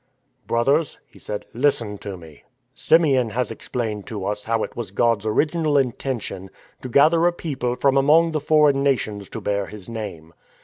" Brothers," he said, " listen to me. Simeon has explained to us how it was God's original intention to gather a People from among the foreign nations to bear His Name.